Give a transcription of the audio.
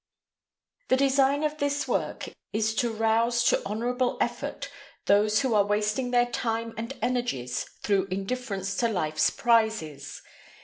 ] The design of this work is to rouse to honorable effort those who are wasting their time and energies through indifference to life's prizes.